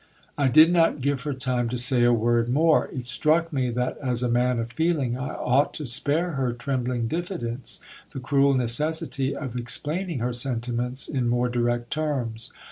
I did not give her time to say a word more. It struck me, that as a man of feeling, I ought to spare her trembling diffidence the cruel necessity of explain ing her sentiments in more direct terms.